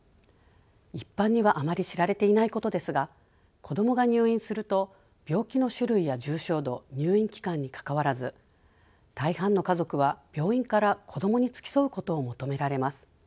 一般にはあまり知られていないことですが子どもが入院すると病気の種類や重症度入院期間にかかわらず大半の家族は病院から子どもに付き添うことを求められます。